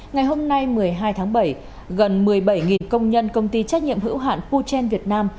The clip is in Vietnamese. ngày hôm nay một mươi hai tháng bảy gần một mươi bảy công nhân công ty trách nhiệm hữu hạn puchen việt nam